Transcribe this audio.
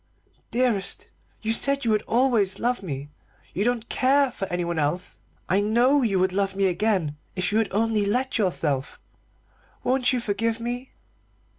Dearest, you said you would always love me you don't care for anyone else. I know you would love me again if you would only let yourself. Won't you forgive me?"